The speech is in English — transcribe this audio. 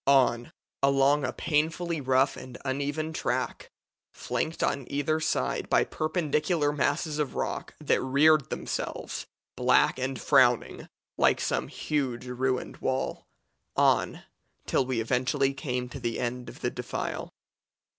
On, along a painfully rough and uneven track, flanked on either side by perpendicular masses of rock that reared themselves, black and frowning, like some huge ruined wall. On, till we eventually came to the end of the defile.